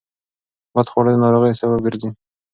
بدخواړه د ناروغیو سبب ګرځي.